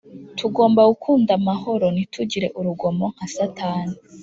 Tugomba gukunda amahoro ntitugire urugomo nka Satani